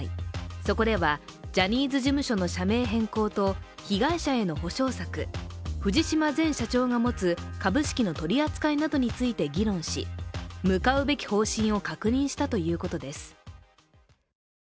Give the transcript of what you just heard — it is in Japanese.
そこで、ジャニーズ事務所の社名変更と被害者への補償策、藤島前社長が持つ株式の取り扱いなどについて議論し向かうべき方針を確認したということです。